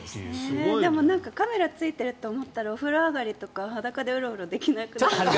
でもカメラがついていると思ったらお風呂上がりとか裸でうろうろできない。